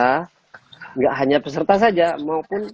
tidak hanya peserta saja maupun